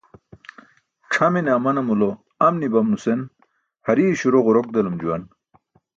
C̣ʰamine amanamulo am nibam nusan, hariye śuro ġurok delum juwan.